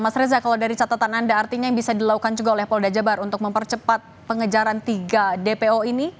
mas reza kalau dari catatan anda artinya yang bisa dilakukan juga oleh polda jabar untuk mempercepat pengejaran tiga dpo ini